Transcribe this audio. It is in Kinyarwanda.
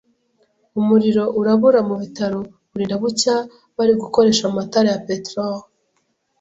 umuriro urabura mu bitaro burinda bucya bari gukoresha amatara ya petrol.